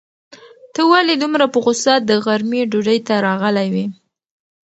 ته ولې دومره په غوسه د غرمې ډوډۍ ته راغلی وې؟